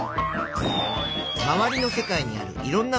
まわりの世界にあるいろんなふしぎ。